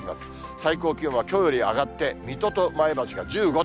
最高気温はきょうより上がって水戸と前橋が１５度。